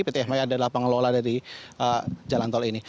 pt f adalah pengelola dari jalan tol ini